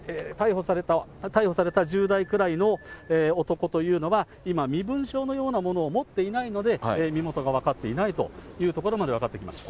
逮捕された１０代くらいの男というのは、今、身分証のようなものを持っていないので、身元が分かっていないというところまで分かってきました。